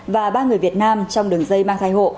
và ba người việt nam trong đường dây mang thai hộ